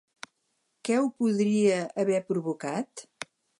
Què ho podria haver provocat?